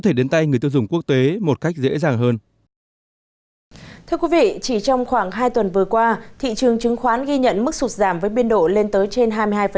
thưa quý vị chỉ trong khoảng hai tuần vừa qua thị trường chứng khoán ghi nhận mức sụt giảm với biên độ lên tới trên hai mươi hai